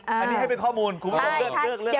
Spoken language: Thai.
อันนี้ให้เป็นข้อมูลคุณบอกเลือกเอา